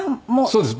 そうです。